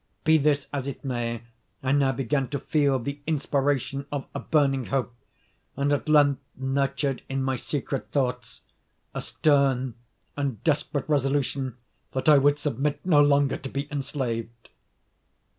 Be this as it may, I now began to feel the inspiration of a burning hope, and at length nurtured in my secret thoughts a stern and desperate resolution that I would submit no longer to be enslaved.